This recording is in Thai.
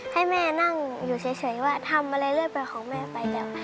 ให้แม่นั่งอยู่เฉยว่าทำอะไรเรื่อยไปของแม่ไปแล้ว